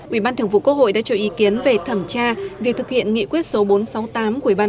ủy ban thường vụ quốc hội đã cho ý kiến về thẩm tra việc thực hiện nghị quyết số bốn trăm sáu mươi tám của ủy ban